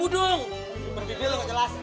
berbicara lu enggak jelas